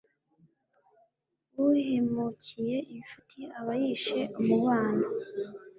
uhemukiye incuti aba yishe umubano